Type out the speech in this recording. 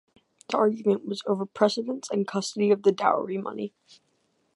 The argument was over precedence and custody of the dowry money.